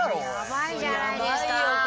やばいじゃないですか！